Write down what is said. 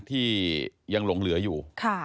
ที่ยังหลงเหลืออยู่